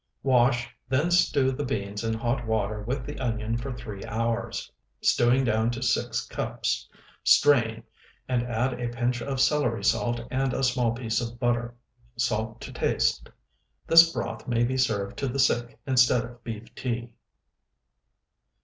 Wash, then stew the beans in hot water with the onion for three hours, stewing down to six cups; strain, and add a pinch of celery salt and a small piece of butter. Salt to taste. This broth may be served to the sick instead of beef tea.